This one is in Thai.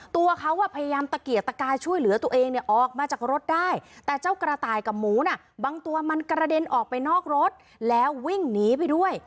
ตัวเขาพยายามตะเกียกตะกายช่วยเหลือตัวเองเนี่ยออกมาจากรถได้แต่เจ้ากระต่ายกับหมูน่ะบางตัวมันกระเด็นออกไปนอกรถแล้ววิ่งหนีไปด้วย